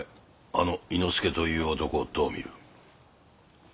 あの猪之助という男をどう診る？